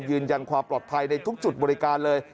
ยืนยันความปลอดภัยในทุกจุดบริการเลย